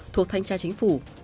thuộc thanh tra chính phủ